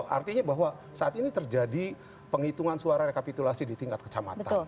artinya bahwa saat ini terjadi penghitungan suara rekapitulasi di tingkat kecamatan